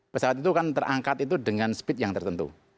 pesawat itu kan terangkat itu dengan speed yang tertentu